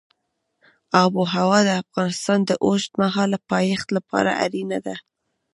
آب وهوا د افغانستان د اوږدمهاله پایښت لپاره اړینه ده.